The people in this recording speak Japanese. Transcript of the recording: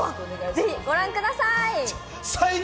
ぜひご覧ください。